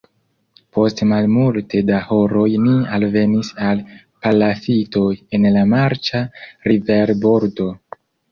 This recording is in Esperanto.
Post malmulte da horoj ni alvenis al palafitoj en la marĉa riverbordo.